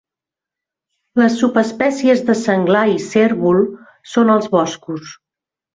Les subespècies de senglar i cérvol són als boscos.